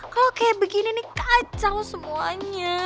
kalau kayak begini nih kacau semuanya